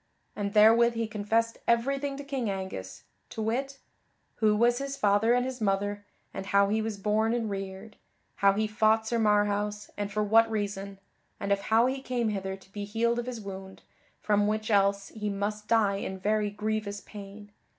And therewith he confessed everything to King Angus, to wit: who was his father and his mother, and how he was born and reared; how he fought Sir Marhaus, and for what reason; and of how he came hither to be healed of his wound, from which else he must die in very grievous pain.